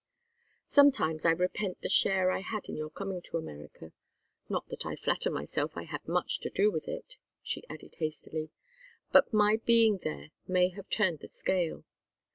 "Sometimes I repent the share I had in your coming to America not that I flatter myself I had much to do with it " she added, hastily. "But my being there may have turned the scale.